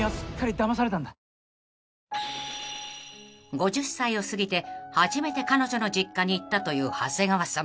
［５０歳を過ぎて初めて彼女の実家に行ったという長谷川さん］